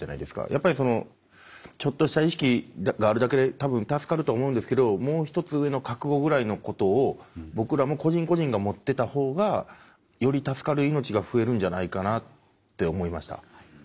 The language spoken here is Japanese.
やっぱりそのちょっとした意識があるだけで多分助かると思うんですけどもう一つ上の覚悟ぐらいのことを僕らも個人個人が持ってた方がより助かる命が増えるんじゃないかなって思いました。